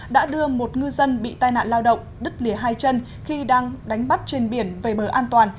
đã đưa một ngư dân bị tai nạn lao động đứt lìa hai chân khi đang đánh bắt trên biển về bờ an toàn